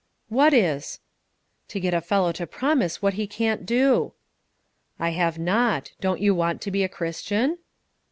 "What is?" "To get a fellow to promise what he can't do." "I have not. Don't you want to be a Christian?"